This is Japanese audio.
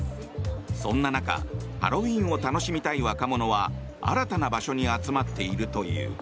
そんな中ハロウィーンを楽しみたい若者は新たな場所に集まっているという。